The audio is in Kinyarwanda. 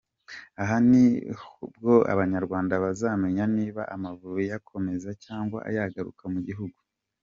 Aha ni bwo Abanyarwanda bazamenya niba Amavubi yakomeza cyangwa yagaruka mu gihugu.